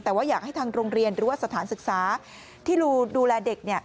แต่ว่าอยากให้ทางโรงเรียนหรือว่าสถานศึกษาที่ดูแลเด็ก